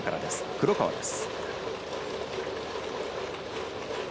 黒川です。